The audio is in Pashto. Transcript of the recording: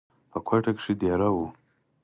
پۀ کوئټه کښې دېره وو،